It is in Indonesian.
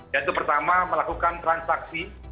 yang pertama melakukan transaksi